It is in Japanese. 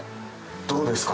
どうですか？